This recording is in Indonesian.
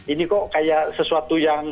ini kok kayak sesuatu yang